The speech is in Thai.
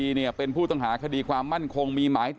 และลอสาลีเป็นผู้ต้องหาคดีความมั่นคง